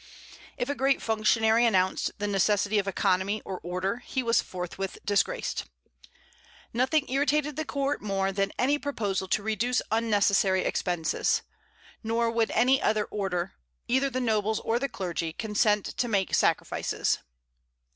If a great functionary announced the necessity of economy or order, he was forthwith disgraced. Nothing irritated the court more than any proposal to reduce unnecessary expenses. Nor would any other order, either the nobles or the clergy, consent to make sacrifices.